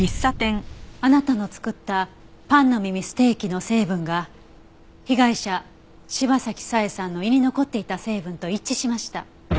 あなたの作ったパンの耳ステーキの成分が被害者柴崎佐江さんの胃に残っていた成分と一致しました。